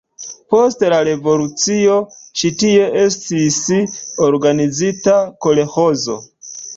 Post la revolucio ĉi tie estis organizita kolĥozo.